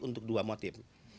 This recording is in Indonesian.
untuk dua motif